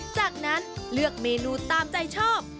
จากนั้นเลือกเมนูตามใจชอบ